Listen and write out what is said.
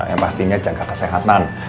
yang pastinya jaga kesehatan